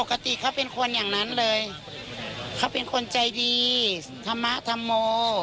ปกติเขาเป็นคนอย่างนั้นเลยเขาเป็นคนใจดีธรรมะธรรโม